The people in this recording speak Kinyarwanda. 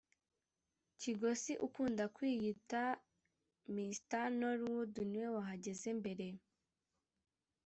Kigosi ukunda kwiyita Mr Nollywood ni we wahageze mbere